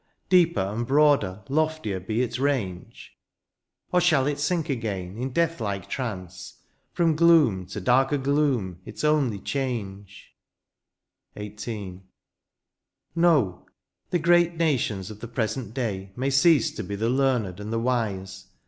Deeper, and broader, loftier be its range ? Or shall it sink again in death Uke trance. From gloom to darker gloom, its only change ? 140 THE FUTURE. XVIII. No ! the great nations of the present day May cease to be the learned and the wise.